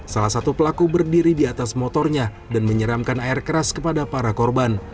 salah satu pelaku berdiri di atas motornya dan menyeramkan air keras kepada para korban